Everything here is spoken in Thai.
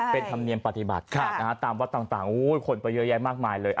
เป็นธรรมเนียมปฏิบัติตามวัดต่างคนไปเยอะแยะมากมายเลย